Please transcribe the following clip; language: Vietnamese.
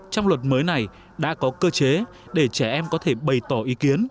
trong luật mới này đã có cơ chế để trẻ em có thể bày tỏ ý kiến